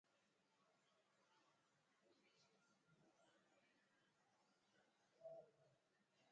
چمپعئے تہ پرین سپُن بئی خو ترام بی کُرئی کھوشن بال نی تُھن